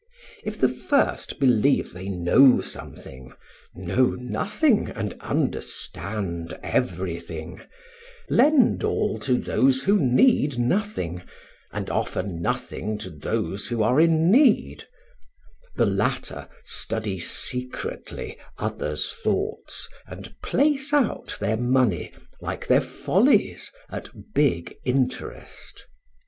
If the first believe they know something, know nothing and understand everything, lend all to those who need nothing and offer nothing to those who are in need; the latter study secretly others' thoughts and place out their money, like their follies, at big interest.